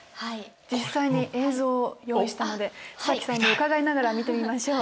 実際に映像を用意したので須さんに伺いながら見てみましょう。